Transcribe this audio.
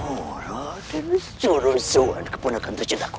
oh raden sejurus suan keponakan tercinta aku